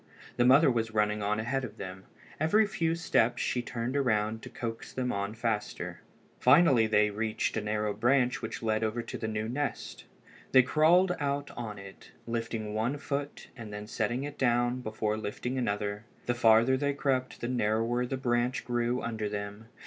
The mother was running on ahead of them. Every few steps she turned around to coax them on faster. Finally they reached a narrow branch which led over to the new nest. They crawled out on it, lifting one foot and then setting it down before lifting another. The farther they crept the narrower the branch grew under them.